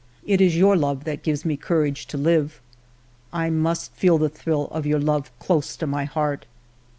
... It is your love that gives me cour age to live. I must feel the thrill of your love close to my heart.